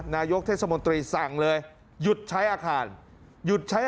นายกเทศมนตรีสั่งเลยหยุดใช้อาคารเอาไว้ก่อน